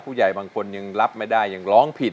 ผู้ใหญ่บางคนยังรับไม่ได้ยังร้องผิด